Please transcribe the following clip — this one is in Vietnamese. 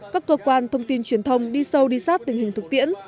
các cơ quan thông tin truyền thông đi sâu đi sát tình hình thực tiễn